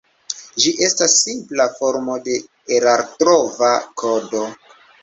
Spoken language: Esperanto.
Ĝi estas simpla formo de erartrova kodo.